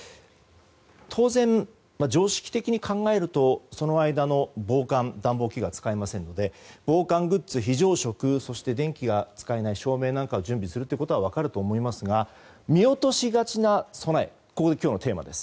当然、常識的に考えるとその間、暖房器具は使えませんので防寒グッズ、非常食そして電気が使えない照明などを準備することは分かると思いますが、見落としがちな備えこれが今日のテーマです。